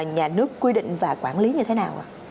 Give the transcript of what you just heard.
nhà nước quy định và quản lý như thế nào ạ